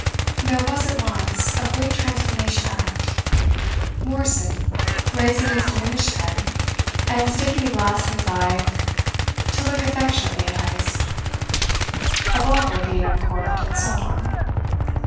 There was at once a great transformation act: Morrison raising his diminished head, and sticking the glass in his eye to look affectionately at Heyst, a bottle being uncorked, and so on.